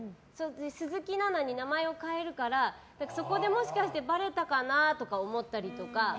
鈴木奈々に名前を変えるからそこで、もしかしてばれたかなとか思ったりとか。